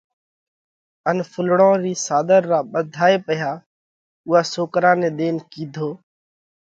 ان ڦُولڙون رِي ساۮر را ٻڌائي پئِيها اُوئا سوڪرا نئہ ۮينَ ڪِيڌو: